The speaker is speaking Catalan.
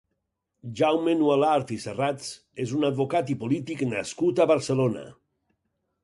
Jaume Nualart i Serrats és un advocat i polític nascut a Barcelona.